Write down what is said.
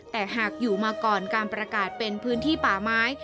แต่หากอยู่มาก่อนการประกาศเป็นพื้นที่ป่าไม้